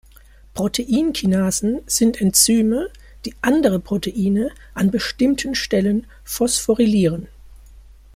Proteinkinasen sind Enzyme, die andere Proteine an bestimmten Stellen phosphorylieren.